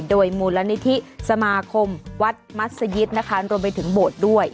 โดยมูลนิธิสมาคมวัดมัศยิตนะคะรวมไปถึงโบสถ์ด้วย